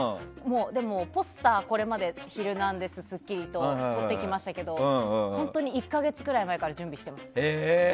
でもポスター「ヒルナンデス！」や「スッキリ」と撮ってきましたけど本当に、１か月くらい前から準備してます。